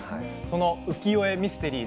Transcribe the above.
「浮世絵ミステリー」